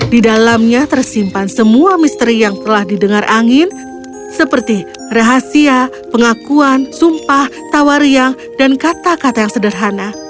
di dalamnya tersimpan semua misteri yang telah didengar angin seperti rahasia pengakuan sumpah tawariang dan kata kata yang sederhana